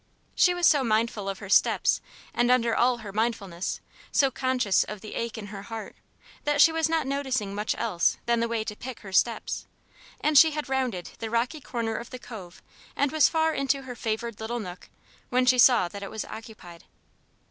She was so mindful of her steps and, under all her mindfulness, so conscious of the ache in her heart, that she was not noticing much else than the way to pick her steps; and she had rounded the rocky corner of the cove and was far into her favoured little nook, when she saw that it was occupied.